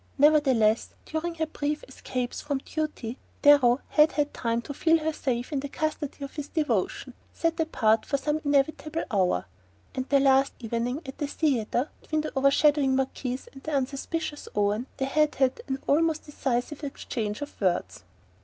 Nevertheless, during her brief escapes from duty, Darrow had had time to feel her safe in the custody of his devotion, set apart for some inevitable hour; and the last evening, at the theatre, between the overshadowing Marquise and the unsuspicious Owen, they had had an almost decisive exchange of words.